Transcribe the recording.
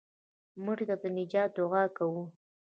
مړه ته د نجات دعا کوو